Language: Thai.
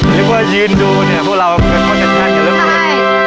นึกว่ายืนดูเนี่ยพวกเรามันเกินข้างกันต้องมี